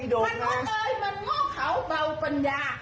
มันโน่นเลยมันโง่เขาเบาปัญญา